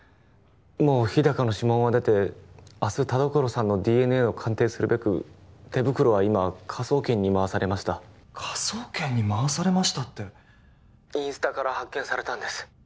もう日高の指紋は出て明日田所さんのＤＮＡを鑑定するべく手袋は今科捜研に回されました「科捜研に回されました」って☎インスタから発見されたんです